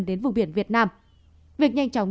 đến vùng biển việt nam việc nhanh chóng